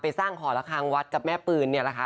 สร้างหอระคังวัดกับแม่ปืนเนี่ยแหละค่ะ